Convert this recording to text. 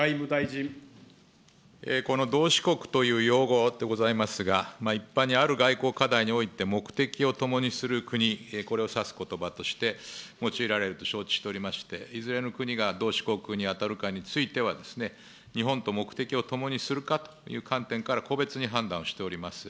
この同志国という用語でございますが、一般にある外交課題において目的をともにする国、これを指すことばとして、用いられると承知しておりまして、いずれの国が同志国に当たるかにつきましては、日本と目的を共にするかという観点から個別に判断しております。